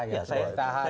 yang selalu tahan